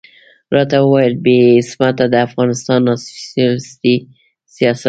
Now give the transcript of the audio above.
راته ويل يې عصمته د افغان ناسيوناليستي سياست.